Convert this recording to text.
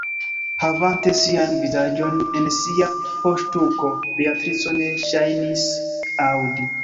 Havante sian vizaĝon en sia poŝtuko, Beatrico ne ŝajnis aŭdi.